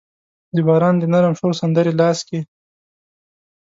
د باران د نرم شور سندرې لاس کې